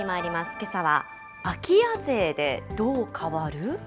けさは、空き家税でどう変わる？